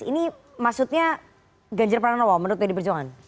ini maksudnya ganjar pranowo menurut pd perjuangan